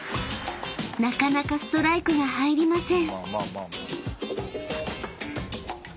［なかなかストライクが入りません］